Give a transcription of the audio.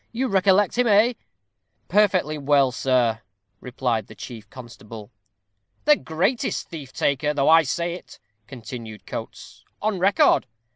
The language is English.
You recollect him eh?" "Perfectly well, sir," replied the chief constable. "The greatest thief taker, though I say it," continued Coates, "on record.